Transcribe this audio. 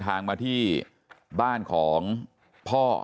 กระดิ่งเสียงเรียกว่าเด็กน้อยจุดประดิ่ง